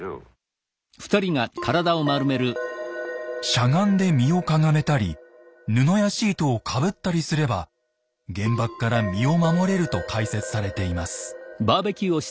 しゃがんで身をかがめたり布やシートをかぶったりすれば原爆から身を守れると解説されています。